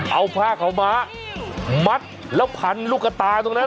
เอาผ้าเข้ามามัดแล้วพันลูกตรงนั้น